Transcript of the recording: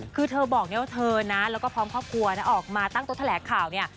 คือเธอบอกเนี่ยว่าเธอนะแล้วก็พร้อมครอบครัวนะออกมาตั้งโต๊ะแถลงข่าวเนี่ย